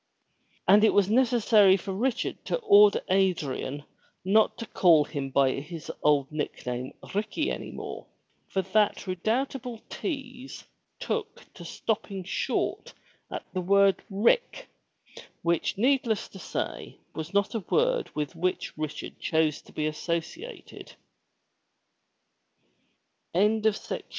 And it was necessary for Richard to order Adrian not to call him by his old nickname Ricky any more, for that redoubtable tease took to stopping short at the word Rick which, needless to say, was not a word with which Richard chose